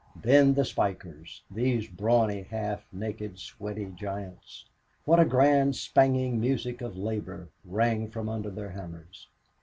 Then the spikers! These brawny, half naked, sweaty giants what a grand spanging music of labor rang from under their hammers!